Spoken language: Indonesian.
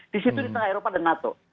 di tengah eropa ada nato